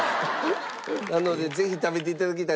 なのでぜひ食べて頂きたい。